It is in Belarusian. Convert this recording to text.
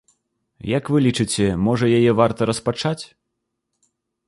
Як вы лічыце, можа яе варта распачаць?